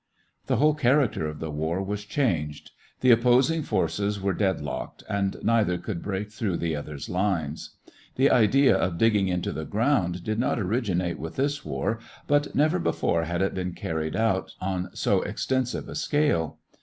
The whole character of the war was changed. The opposing forces were dead locked and neither could break through the other's lines. The idea of digging into the ground did not originate with this war, but never before had it been carried out on so extensive a scale.